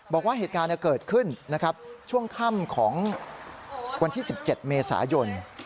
บอกว่าเหตุการณ์เกิดขึ้นนะครับช่วงค่ำของวันที่๑๗เมษายน